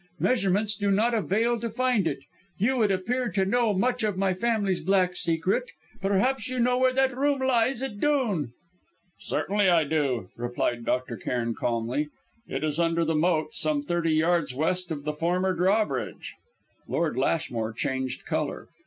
Measurements do not avail to find it. You would appear to know much of my family's black secret; perhaps you know where that room lies at Dhoon?" "Certainly, I do," replied Dr. Cairn calmly; "it is under the moat, some thirty yards west of the former drawbridge." Lord Lashmore changed colour.